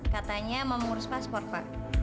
katanya mau mengurus paspor pak